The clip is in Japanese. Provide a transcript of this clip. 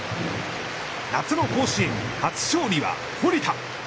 夏の甲子園、初勝利は堀田！